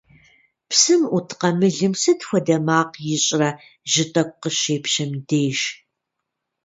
Псым Ӏут къамылым сыт хуэдэ макъ ищӀрэ жьы тӀэкӀу къыщепщэм деж?